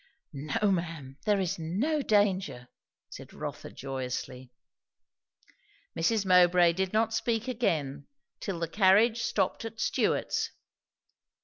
"No, ma'am. There is no danger," said Rotha joyously. Mrs. Mowbray did not speak again till the carriage stopped at Stewart's.